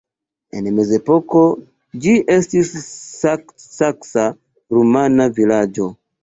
En mezepoko ĝi estis saksa-rumana vilaĝo.